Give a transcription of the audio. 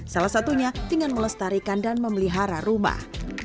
salah satunya dengan melestarikan dan memelihara rumah